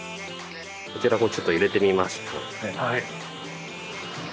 こちらをちょっと入れてみますと。